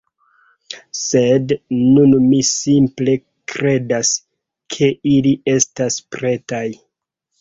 Sed nun mi simple kredas, ke ili estas pretaj